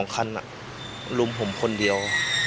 คันลุมผมคนเดียว